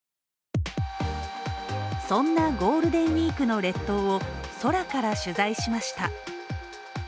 そんなゴールデンウイークの列島を空から取材しました。